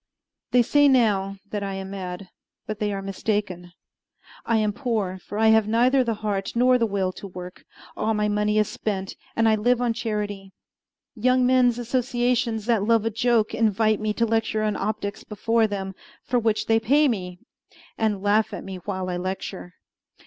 They say now that I am mad; but they are mistaken. I am poor, for I have neither the heart nor the will to work; all my money is spent, and I live on charity. Young men's associations that love a joke invite me to lecture on optics before them, for which they pay me, and laugh at me while I lecture.